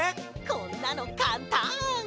こんなのかんたん！